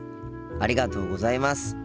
ありがとうございます。